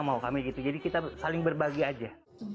mau kami gitu jadi kita saling berbagi aja